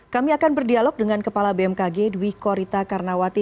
kami akan berdialog dengan kepala bmkg dwi korita karnawati